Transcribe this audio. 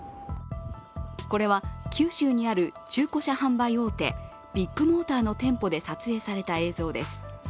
これは九州にある中古車販売大手、ビッグモーターの店舗で撮影された映像です。